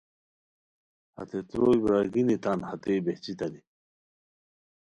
ہتے تروئے برارگینی تان ہتئے بہچیتانی